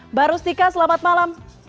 mbak rustika selamat malam